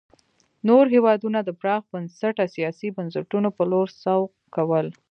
نور هېوادونه د پراخ بنسټه سیاسي بنسټونو په لور سوق کول.